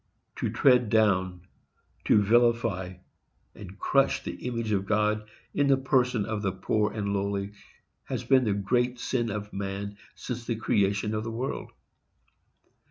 To tread down, to vilify and crush, the image of God, in the person of the poor and lowly, has been the great sin of man since the creation of the world.